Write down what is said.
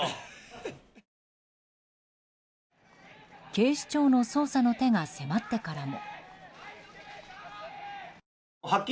警視庁の捜査の手が迫ってからも。